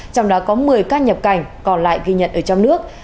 trong đó có một mươi ca nhập cảnh còn lại ghi nhận ở trong nước